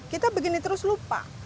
kita begini terus lupa